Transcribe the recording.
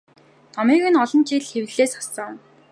Номыг нь олон жил хэвлэлээс хассан.